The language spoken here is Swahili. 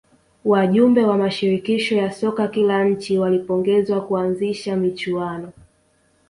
wajumbe wa mashirikisho ya soka kila nchi walipongezwa kuanzisha michuano